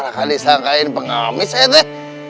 eh kamu disana kan pengamis ya tuh